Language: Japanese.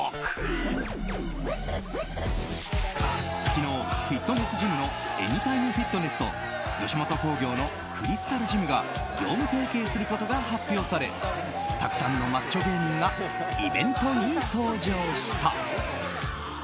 昨日、フィットネスジムのエニタイムフィットネスと吉本興業のクリスタルジムが業務提携することが発表されたくさんのマッチョ芸人がイベントに登場した。